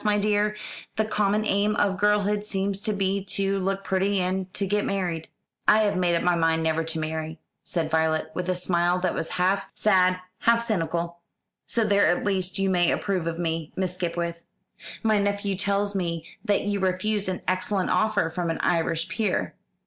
my dear, the common aim of girlhood seems to be to look pretty and to get married." "I have made up my mind never to marry," said Violet, with a smile that was half sad half cynical; "so there at least you may approve of me, Miss Skipwith." "My nephew tells me that you refused an excellent offer from an Irish peer."